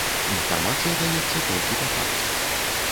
Інфармацыя даецца толькі па факце.